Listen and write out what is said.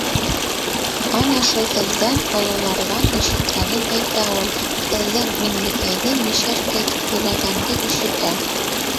Ана шул һеҙҙән, ололарҙан, ишеткәнен әйтә ул. Һеҙҙең Миңлекәйҙе мишәркәй тип һөйләгәнде ишетә.